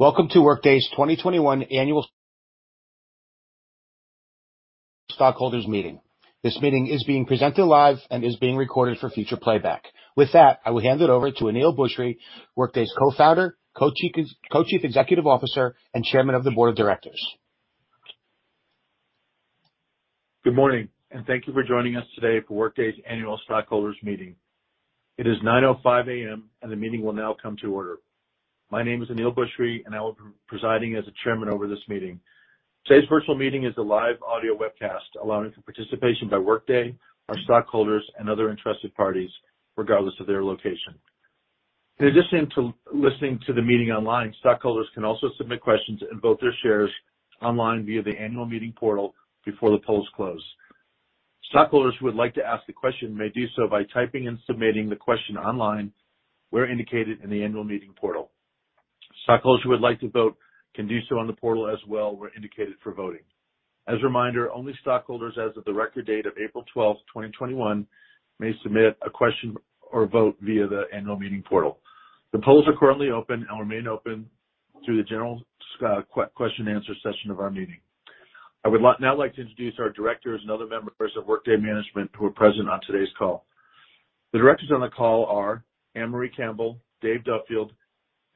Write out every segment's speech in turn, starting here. Welcome to Workday's 2021 Annual Stockholders Meeting. This meeting is being presented live and is being recorded for future playback. With that, I will hand it over to Aneel Bhusri, Workday's Co-Founder, Co-Chief Executive Officer, and Chairman of the Board of Directors. Good morning. Thank you for joining us today for Workday's annual stockholders meeting. It is 9:05 A.M., and the meeting will now come to order. My name is Aneel Bhusri, and I will be presiding as the chairman over this meeting. Today's virtual meeting is a live audio webcast allowing for participation by Workday, our stockholders, and other interested parties, regardless of their location. In addition to listening to the meeting online, stockholders can also submit questions and vote their shares online via the annual meeting portal before the polls close. Stockholders who would like to ask a question may do so by typing and submitting the question online where indicated in the annual meeting portal. Stockholders who would like to vote can do so on the portal as well, where indicated for voting. As a reminder, only stockholders as of the record date of April 12th, 2021, may submit a question or vote via the annual meeting portal. The polls are currently open and will remain open through the general question and answer session of our meeting. I would now like to introduce our directors and other members of Workday management who are present on today's call. The directors on the call are Ann-Marie Campbell, Dave Duffield,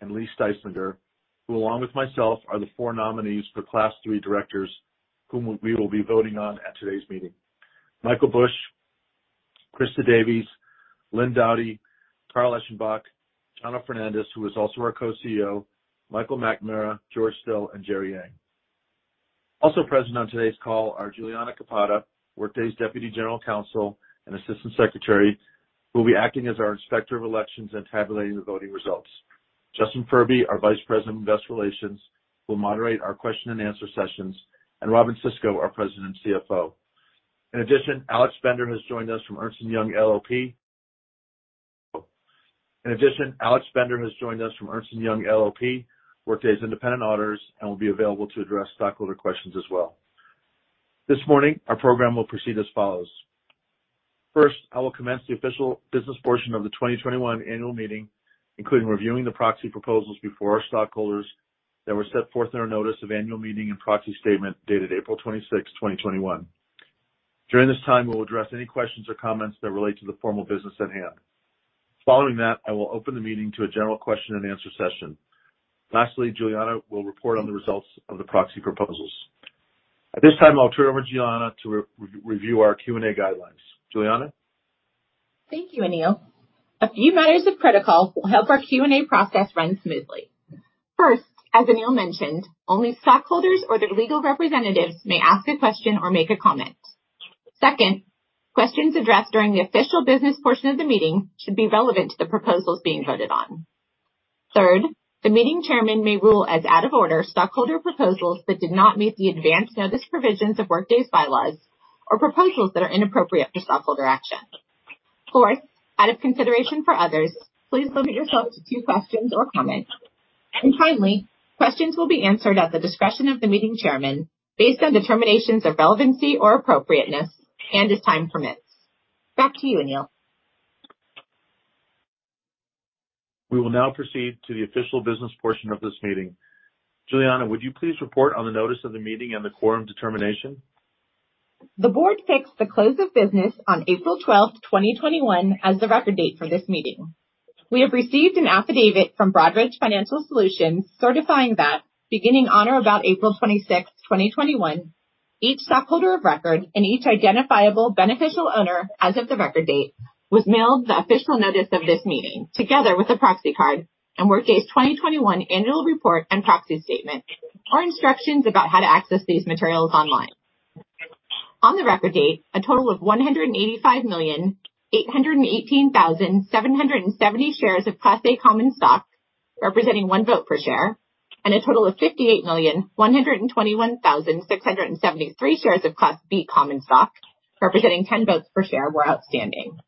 and Lee Styslinger, who, along with myself, are the four nominees for Class III directors whom we will be voting on at today's meeting. Michael Bush, Christa Davies, Lynne Doughtie, Carl Eschenbach, Chano Fernandez, who is also our co-CEO, Michael McNamara, George Still, and Jerry Yang. Also present on today's call are Juliana Capata, Workday's Deputy General Counsel and Assistant Secretary, who will be acting as our inspector of elections and tabulating the voting results. Justin Furby, our Vice President of Investor Relations, will moderate our question and answer sessions, and Robynne Sisco, our President and CFO. In addition, Alex Bender has joined us from Ernst & Young LLP, Workday's independent auditors, and will be available to address stockholder questions as well. This morning, our program will proceed as follows. First, I will commence the official business portion of the Annual General Meeting 2021, including reviewing the proxy proposals before our stockholders that were set forth in our notice of annual meeting and proxy statement dated April 26, 2021. During this time, we'll address any questions or comments that relate to the formal business at hand. Following that, I will open the meeting to a general question and answer session. Lastly, Juliana will report on the results of the proxy proposals. At this time, I'll turn it over to Juliana to review our Q&A guidelines. Juliana? Thank you, Aneel. A few matters of protocol will help our Q&A process run smoothly. First, as Aneel mentioned, only stockholders or their legal representatives may ask a question or make a comment. Second, questions addressed during the official business portion of the meeting should be relevant to the proposals being voted on. Third, the meeting chairman may rule as out of order stockholder proposals that did not meet the advance notice provisions of Workday's bylaws or proposals that are inappropriate for stockholder action. Fourth, out of consideration for others, please limit yourself to two questions or comments. Finally, questions will be answered at the discretion of the meeting chairman based on determinations of relevancy or appropriateness and as time permits. Back to you, Aneel. We will now proceed to the official business portion of this meeting. Juliana, would you please report on the notice of the meeting and the quorum determination? The board fixed the close of business on April 12th, 2021, as the record date for this meeting. We have received an affidavit from Broadridge Financial Solutions certifying that beginning on or about April 26th, 2021, each stockholder of record and each identifiable beneficial owner as of the record date was mailed the official notice of this meeting, together with the proxy card and Workday's 2021 annual report and proxy statement, or instructions about how to access these materials online. On the record date, a total of 185,818,770 shares of Class A common stock, representing one vote per share, and a total of 58,121,673 shares of Class B common stock, representing 10 votes per share, were outstanding.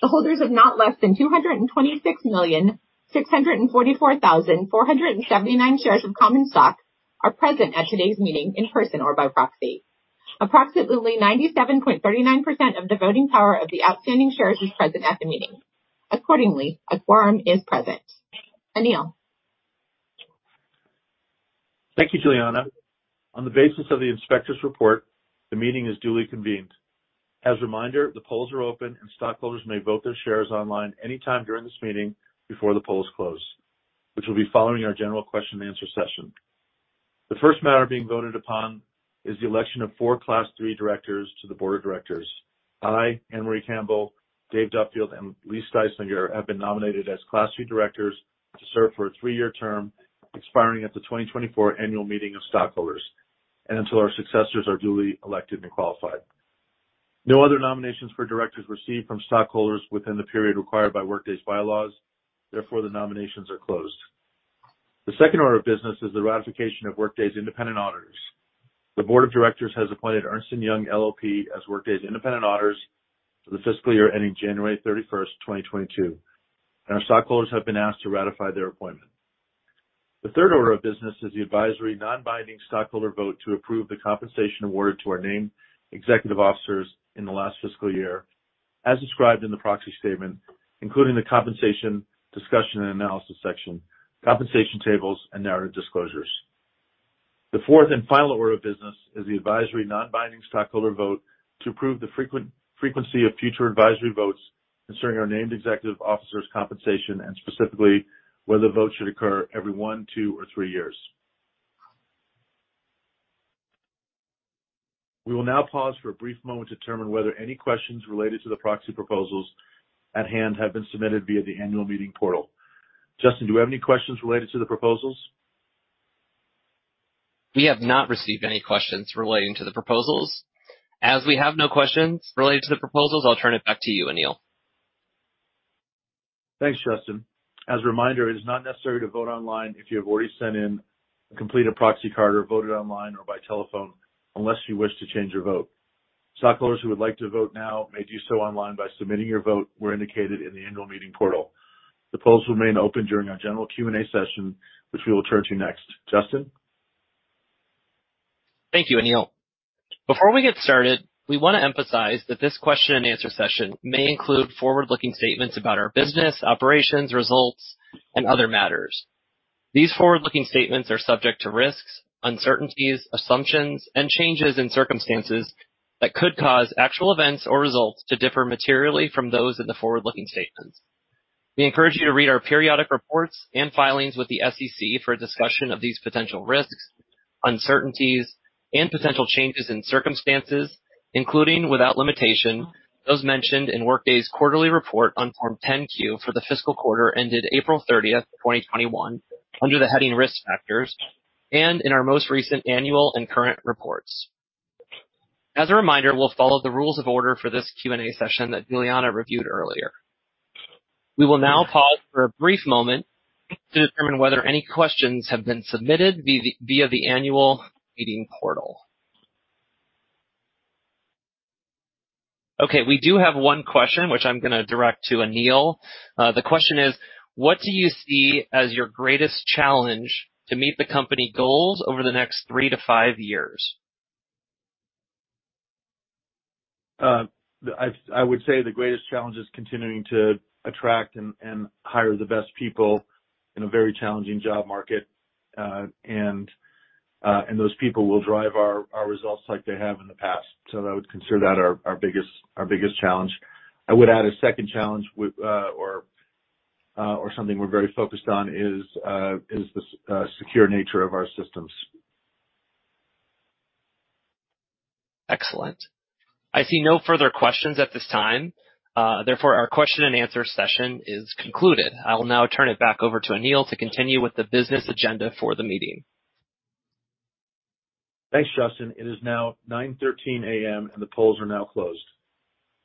The holders of not less than 226,644,479 shares of common stock are present at today's meeting in person or by proxy. Approximately 97.39% of the voting power of the outstanding shares is present at the meeting. Accordingly, a quorum is present. Aneel. Thank you, Juliana. On the basis of the inspector's report, the meeting is duly convened. As a reminder, the polls are open, and stockholders may vote their shares online anytime during this meeting before the polls close, which will be following our general question and answer session. The first matter being voted upon is the election of four Class III directors to the board of directors. I, Ann-Marie Campbell, Dave Duffield, and Lee Styslinger have been nominated as Class III directors to serve for a three-year term expiring at the 2024 annual meeting of stockholders and until our successors are duly elected and qualified. No other nominations for directors received from stockholders within the period required by Workday's bylaws, therefore, the nominations are closed. The second order of business is the ratification of Workday's independent auditors. The board of directors has appointed Ernst & Young LLP as Workday's independent auditors for the fiscal year ending January 31st, 2022, and our stockholders have been asked to ratify their appointment. The third order of business is the advisory non-binding stockholder vote to approve the compensation awarded to our named executive officers in the last fiscal year. As described in the proxy statement, including the compensation discussion and analysis section, compensation tables, and narrative disclosures. The fourth and final order of business is the advisory non-binding stockholder vote to approve the frequency of future advisory votes concerning our named executive officers' compensation, and specifically whether votes should occur every one, two, or three years. We will now pause for a brief moment to determine whether any questions related to the proxy proposals at hand have been submitted via the annual meeting portal. Justin, do we have any questions related to the proposals? We have not received any questions relating to the proposals. As we have no questions relating to the proposals, I'll turn it back to you, Aneel. Thanks, Justin. As a reminder, it is not necessary to vote online if you have already sent in a completed proxy card or voted online or by telephone unless you wish to change your vote. Stockholders who would like to vote now may do so online by submitting your vote where indicated in the annual meeting portal. The polls remain open during our general Q&A session, which we will turn to next. Justin? Thank you, Aneel. Before we get started, we want to emphasize that this question and answer session may include forward-looking statements about our business, operations, results, and other matters. These forward-looking statements are subject to risks, uncertainties, assumptions, and changes in circumstances that could cause actual events or results to differ materially from those in the forward-looking statements. We encourage you to read our periodic reports and filings with the SEC for a discussion of these potential risks, uncertainties, and potential changes in circumstances, including, without limitation, those mentioned in Workday's quarterly report on Form 10-Q for the fiscal quarter ended April 30th, 2021, under the heading Risk Factors, and in our most recent annual and current reports. As a reminder, we'll follow the rules of order for this Q&A session that Juliana reviewed earlier. We will now pause for a brief moment to determine whether any questions have been submitted via the annual meeting portal. Okay. We do have one question, which I'm going to direct to Aneel. The question is, "What do you see as your greatest challenge to meet the company goals over the next three to five years?" I would say the greatest challenge is continuing to attract and hire the best people in a very challenging job market, and those people will drive our results like they have in the past. I would consider that our biggest challenge. I would add a second challenge or something we're very focused on, is the secure nature of our systems. Excellent. I see no further questions at this time. Therefore, our question and answer session is concluded. I will now turn it back over to Aneel to continue with the business agenda for the meeting. Thanks, Justin. It is now 9:13 A.M. The polls are now closed.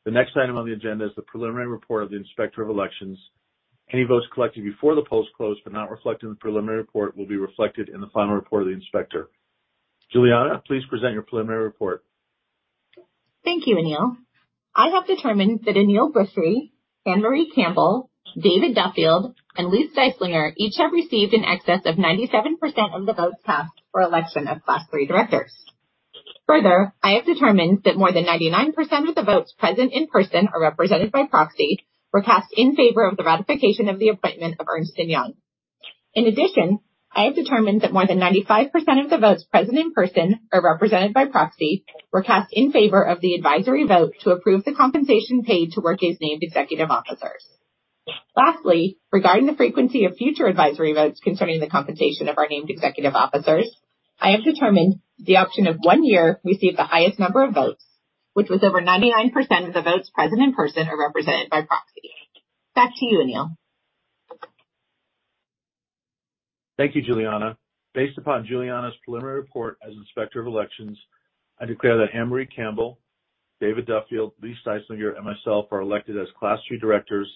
The next item on the agenda is the preliminary report of the Inspector of Elections. Any votes collected before the polls closed but not reflected in the preliminary report will be reflected in the final report of the inspector. Juliana, please present your preliminary report. Thank you, Aneel. I have determined that Aneel Bhusri, Ann-Marie Campbell, David Duffield, and Lee Styslinger each have received in excess of 97% of the votes cast for election of Class III directors. Further, I have determined that more than 99% of the votes present in person or represented by proxy were cast in favor of the ratification of the appointment of Ernst & Young. In addition, I have determined that more than 95% of the votes present in person or represented by proxy were cast in favor of the advisory vote to approve the compensation paid to Workday's named executive officers. Lastly, regarding the frequency of future advisory votes concerning the compensation of our named executive officers, I have determined the option of one year received the highest number of votes, which was over 99% of the votes present in person or represented by proxy. Back to you, Aneel. Thank you, Juliana. Based upon Juliana's preliminary report as Inspector of Elections, I declare that Ann-Marie Campbell, David Duffield, Lee Styslinger, and myself are elected as Class III directors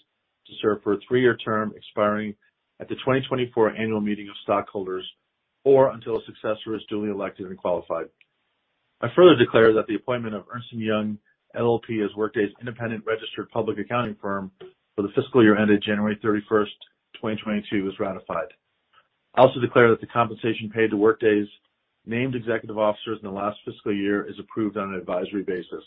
to serve for a three-year term expiring at the 2024 annual meeting of stockholders or until a successor is duly elected and qualified. I further declare that the appointment of Ernst & Young LLP as Workday's independent registered public accounting firm for the fiscal year ended January 31st, 2022, is ratified. I also declare that the compensation paid to Workday's named executive officers in the last fiscal year is approved on an advisory basis.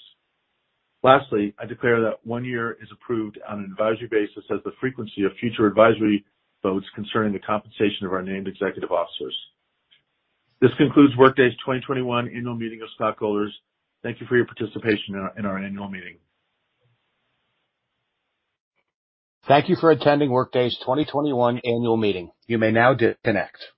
Lastly, I declare that one year is approved on an advisory basis as the frequency of future advisory votes concerning the compensation of our named executive officers. This concludes Workday's 2021 annual meeting of stockholders. Thank you for your participation in our annual meeting. Thank you for attending Workday's 2021 annual meeting. You may now disconnect.